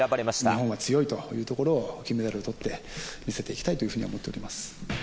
日本は強いというところを、金メダルをとって、見せていきたいというふうに思っております。